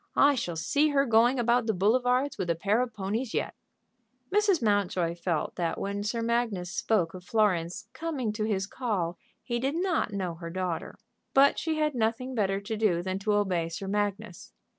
I shall see her going about the boulevards with a pair of ponies yet." Mrs. Mountjoy felt that when Sir Magnus spoke of Florence coming to his call he did not know her daughter. But she had nothing better to do than to obey Sir Magnus.